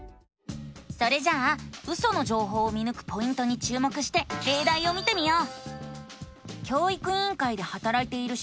それじゃあウソの情報を見ぬくポイントに注目してれいだいを見てみよう！